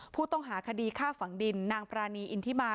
ผู้ต้องหาคดีฆ่าฝังดินนางปรานีอินทิมา